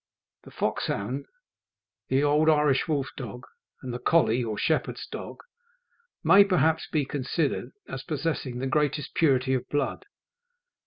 The foxhound, the old Irish wolf dog, and the colley or shepherd's dog, may, perhaps, be considered as possessing the greatest purity of blood.